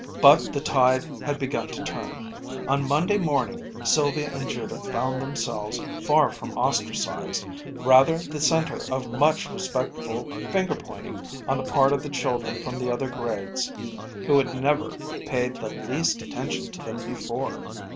But the tide had begun to turn. On Monday morning Sylvia and Judith found themselves far from ostracized, rather the center of much respectful finger pointing on the part of children from the other grades who had never paid the least attention to them before.